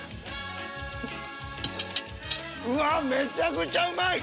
うわめちゃくちゃうまい！